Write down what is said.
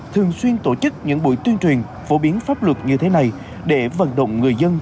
thường xuyên tổ chức những buổi tuyên truyền phổ biến pháp luật như thế này để vận động người dân